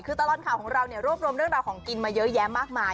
คือตลอดข่าวของเราเนี่ยรวบรวมเรื่องราวของกินมาเยอะแยะมากมาย